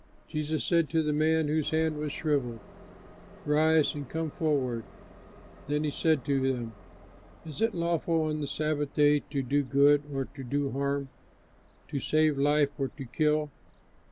Jesus said to the man whose hand was shrivelled, "Rise and come forward." Then he said to them, "Is it lawful on the Sabbath day to do good or to do harm? To save life or to kill?